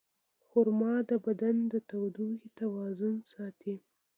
خرما د بدن د تودوخې توازن ساتي.